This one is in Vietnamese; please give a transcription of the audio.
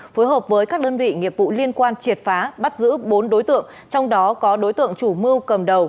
phối hợp với các đơn vị nghiệp vụ liên quan triệt phá bắt giữ bốn đối tượng trong đó có đối tượng chủ mưu cầm đầu